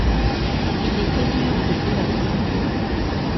Il est seigneur de Déols.